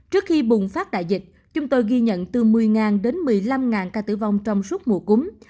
trước khi bùng phát đại dịch chúng tôi ghi nhận từ một mươi đến một mươi năm ca tử vong trong suốt mùa cúm